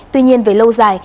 tuy nhiên về lâu dài